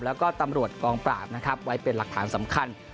แล้วก็ตำรวจกองปราบนะครับไว้เป็นหลักฐานสำคัญ